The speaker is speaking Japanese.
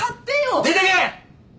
出てけ！